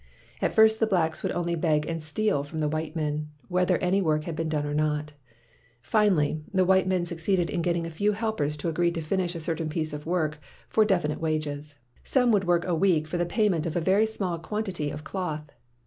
At first the blacks would only beg and steal from the white men, whether any work had been done or not. Finally, the white men succeeded in getting a few helpers to agree to finish a certain piece of work for definite wages. Some would work a week for the payment of a very small quantity of cloth.